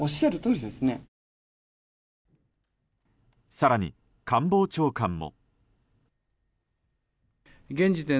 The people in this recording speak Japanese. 更に、官房長官も。